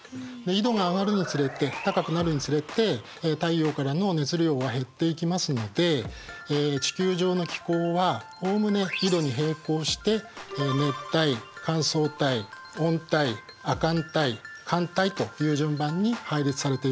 緯度が上がるにつれて高くなるにつれて太陽からの熱量は減っていきますので地球上の気候はおおむね緯度に並行して熱帯乾燥帯温帯亜寒帯寒帯という順番に配列されているんです。